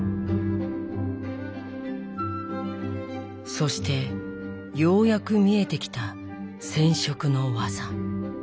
そしてようやく見えてきた染色の技。